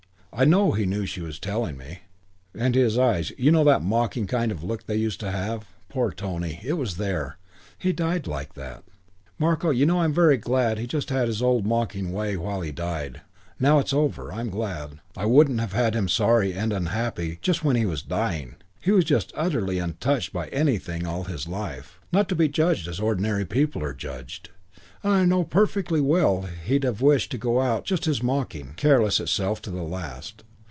I know he knew she was telling me, and his eyes you know that mocking kind of look they used to have? Poor Tony! It was there. He died like that.... Marko, you know I'm very glad he just had his old mocking way while he died. Now it's over I'm glad. I wouldn't have had him sorry and unhappy just when he was dying. He was just utterly untouched by anything all his life, not to be judged as ordinary people are judged, and I know perfectly well he'd have wished to go out just his mocking, careless self to the last.